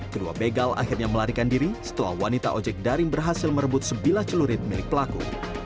kedua begal akhirnya melarikan diri setelah wanita ojek daring berhasil merebut sebilah celurit milik pelaku